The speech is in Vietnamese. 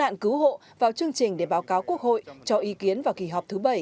và các bạn cứu hộ vào chương trình để báo cáo quốc hội cho ý kiến vào kỳ họp thứ bảy